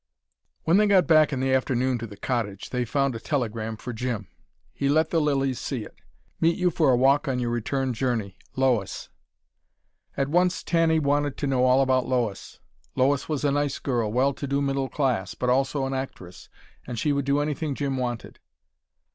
When they got back in the afternoon to the cottage, they found a telegram for Jim. He let the Lillys see it "Meet you for a walk on your return journey Lois." At once Tanny wanted to know all about Lois. Lois was a nice girl, well to do middle class, but also an actress, and she would do anything Jim wanted.